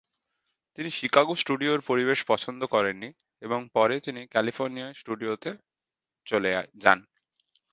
তিনি শিকাগো স্টুডিওর পরিবেশ পছন্দ করেন নি এবং পরে তিনি ক্যালিফোর্নিয়ার স্টুডিওতে চলে যান।